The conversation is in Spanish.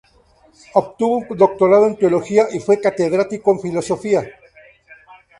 Obtuvo un doctorado en Teología y fue catedrático en Filosofía.